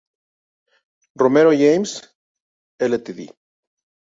Romero Games Ltd.